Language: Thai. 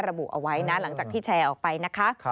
ระบุเอาไว้นะหลังจากที่แชร์ออกไปนะคะ